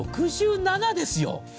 ６７ですよ。